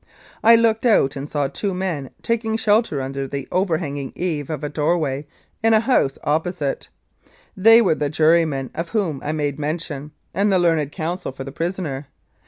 I looked out and saw two men taking shelter under the overhanging eave of a doorway in a house opposite they were the juryman of whom I have made mention and the learned counsel for the prisoner.